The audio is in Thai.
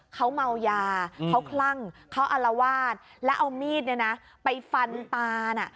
เขาเมายาเขาคลั่งเขาอารวาสแล้วเอามีดเนี่ยนะไปฟันตาน่ะ